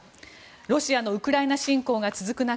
ロシアのウクライナ侵攻が続く中